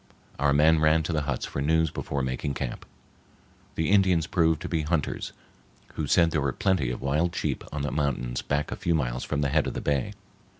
Our men ran to the huts for news before making camp. The Indians proved to be hunters, who said there were plenty of wild sheep on the mountains back a few miles from the head of the bay.